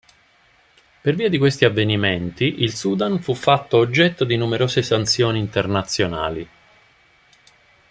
Per via di questi avvenimenti, il Sudan fu fatto oggetto di numerose sanzioni internazionali.